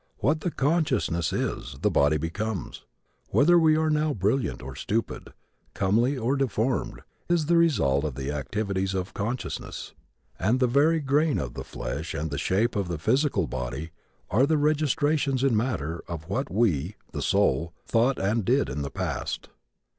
What the consciousness is, the body becomes. Whether we are now brilliant or stupid, comely or deformed, is the result of the activities of consciousness, and the very grain of the flesh and the shape of the physical body are the registrations in matter of what we, the soul, thought and did in the past.